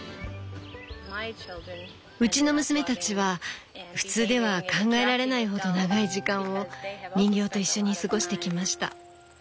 うちの娘たちは普通では考えられないほど長い時間を人形と一緒に過ごしてきました。